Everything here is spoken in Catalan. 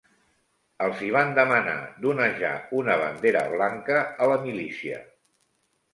Els hi van demanar d'onejar una bandera blanca a la milícia.